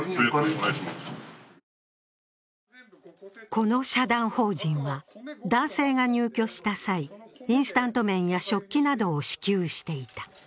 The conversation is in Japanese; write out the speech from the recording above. この社団法人は男性が入居した際、インスタント麺や食器などを支給していた。